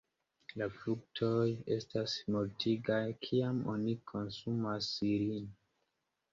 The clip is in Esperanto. La fruktoj estas mortigaj, kiam oni konsumas ilin.